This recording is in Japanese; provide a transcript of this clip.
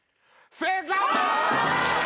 正解！